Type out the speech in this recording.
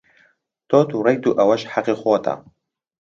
تۆ تووڕەیت و ئەوەش هەقی خۆتە.